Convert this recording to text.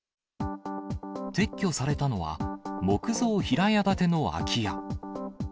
撤去されたのは、木造平屋建ての空き家。